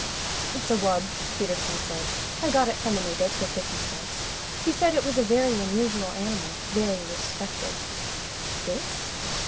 "It's a wub," Peterson said. "I got it from a native for fifty cents. He said it was a very unusual animal. Very respected." "This?"